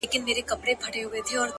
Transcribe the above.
ستا تصوير خپله هينداره دى زما گراني -